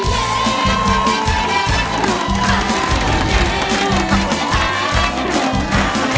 โทษให้โทษให้โทษให้